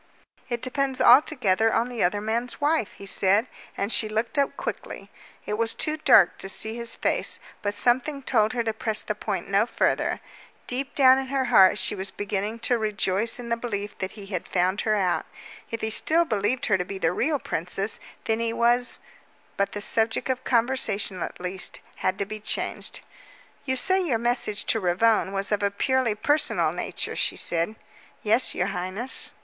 "It depends altogether on the other man's wife," he said, and she looked up quickly. It was too dark to see his face, but something told her to press the point no further. Deep down in her heart she was beginning to rejoice in the belief that he had found her out. If he still believed her to be the real princess, then he was but the subject of conversation, at least, had to be changed. "You say your message to Ravone was of a purely personal nature," she said. "Yes, your highness."